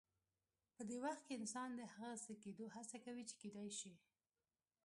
په دې وخت کې انسان د هغه څه کېدو هڅه کوي چې کېدای شي.